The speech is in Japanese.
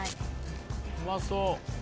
うまそう。